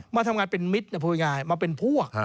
มาทำงานเป็นมิตรมาเป็นพวก